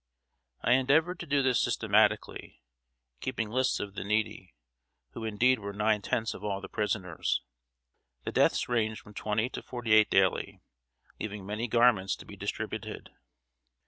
I endeavored to do this systematically, keeping lists of the needy, who indeed were nine tenths of all the prisoners. The deaths ranged from twenty to forty eight daily, leaving many garments to be distributed.